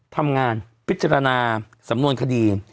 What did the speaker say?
ทำงานพิจารณาสำนวนคดี